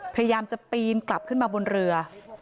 พยายามจะปีนกลับขึ้นมาบนเรือ